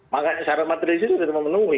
makanya syarat materil disitu sudah memenuhi